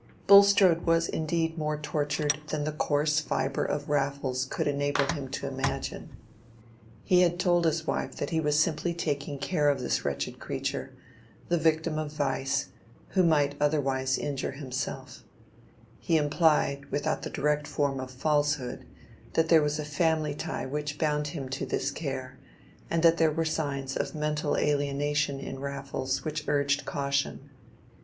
Bulstrode was indeed more tortured than the coarse fibre of Raffles could enable him to imagine. He had told his wife that he was simply taking care of this wretched creature, the victim of vice, who might otherwise injure himself; he implied, without the direct form of falsehood, that there was a family tie which bound him to this care, and that there were signs of mental alienation in Raffles which urged caution.